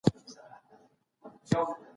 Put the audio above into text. افغانان د نورو ملتونو سره د دښمنۍ لټون نه کوي.